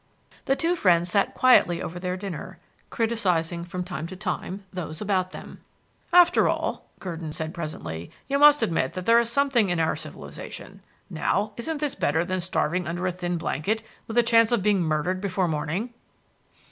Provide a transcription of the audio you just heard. The two friends sat there quietly over their dinner, criticising from time to time those about them. "After all," Gurdon said presently, "you must admit that there is something in our civilization. Now, isn't this better than starving under a thin blanket, with a chance of being murdered before morning?"